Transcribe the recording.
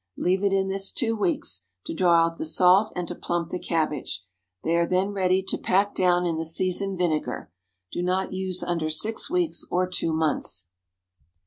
Leave it in this two weeks, to draw out the salt and to plump the cabbage. They are then ready to pack down in the seasoned vinegar. Do not use under six weeks or two months.